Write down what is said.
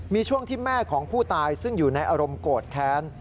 มีช่วงที่แม่ของผู้ตายซึ่งอยู่ในอารมณ์โกรธแค้น